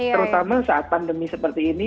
terutama saat pandemi seperti ini